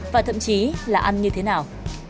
và thậm chí là ăn như thế nào